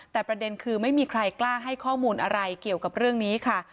แต่ประเด็นคือไม่มีใครกล้าให้ข้อมูลอะไรเกี่ยวกับเรื่องนี้ค่ะ